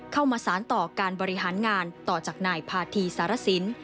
เข้ามาสารต่อการบริหารงานต่อจากนายพาธีสารสิน